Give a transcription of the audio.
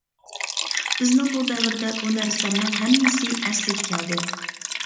بىزنىڭ بۇ دەۋردە بۇ نەرسىلەرنىڭ ھەممىسى ئەسلىگە كەلدى.